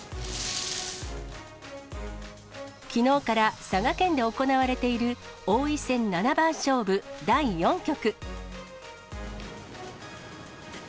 きのうから佐賀県で行われている王位戦七番勝負第４局。